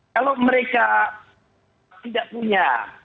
kalau mereka tidak punya